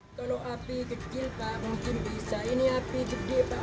kalau api kecil pak mungkin bisa ini api gede pak